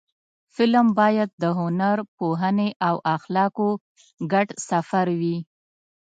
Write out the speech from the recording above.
فلم باید د هنر، پوهنې او اخلاقو ګډ سفر وي